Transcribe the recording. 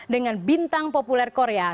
dengan bintang populer korea